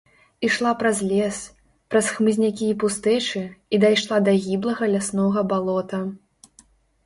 Ішла праз лес, праз хмызнякі і пустэчы і дайшла да гіблага ляснога балота.